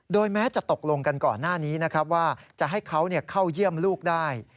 โดยแม้จะตกลงกันก่อนหน้านี้จะให้เขาเข้าเยี่ยมลูกได้